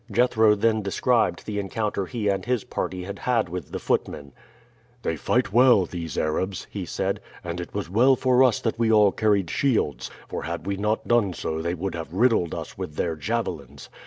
Jethro then described the encounter he and his party had had with the footmen. "They fight well, these Arabs," he said, "and it was well for us that we all carried shields; for had we not done so they would have riddled us with their javelins.